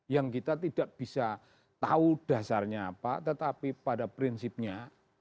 yang kita tidak bisa tahu dasarnya apa tetapi pada prinsipnya